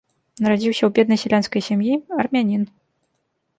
Нарадзіўся ў беднай сялянскай сям'і, армянін.